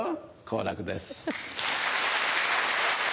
好楽です。